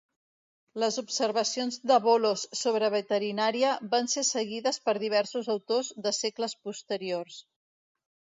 Les observacions de Bolos sobre veterinària van ser seguides per diversos autors de segles posteriors.